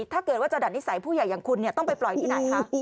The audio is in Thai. ถ้าเกิดว่าจะดัดนิสัยผู้ใหญ่อย่างคุณเนี่ยต้องไปปล่อยที่ไหนครับ